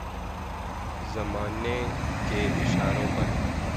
زمانے کے اشاروں پر